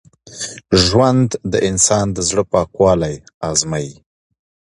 ژوند د انسان د زړه پاکوالی ازمېيي.